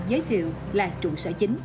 giới thiệu là trụ sở chính